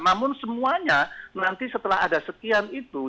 namun semuanya nanti setelah ada sekian itu